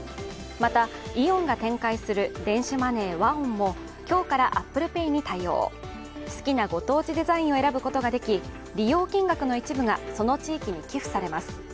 また、イオンが展開する電子マネーＷＡＯＮも今日からＡｐｐｌｅＰａｙに対応好きなご当地デザインを選ぶことができ利用金額の一部がその地域に寄付されます。